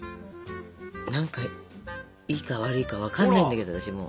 何かいいか悪いか分かんないんだけど私も。